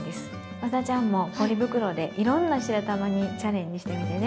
ワダちゃんもポリ袋でいろんな白玉にチャレンジしてみてね。